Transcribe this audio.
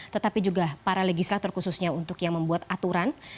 tetapi juga para legislator khususnya untuk yang membuat aturan